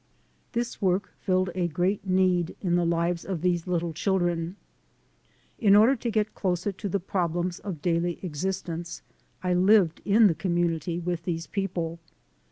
This work filled a great need in the lives of these little children. In order to get closer to the prob lems of daily existence, I lived in the community with these people.